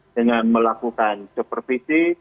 dengan melakukan supervisi